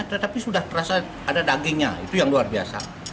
tetapi sudah terasa ada dagingnya itu yang luar biasa